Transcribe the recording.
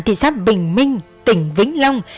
thị xác bình minh tỉnh vĩnh long